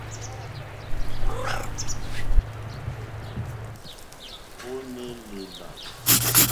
Ó ǃné lèlà.